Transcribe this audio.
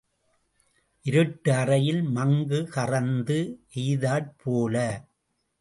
இருட்டு அறையில் மங்கு கறந்து எய்த்தாற் போல.